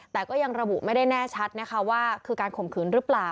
แต่ก็ยังระบุไม่ได้แน่ชัดนะคะว่าคือการข่มขืนหรือเปล่า